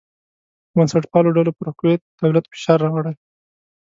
بنسټپالو ډلو پر کویت دولت فشار راوړی.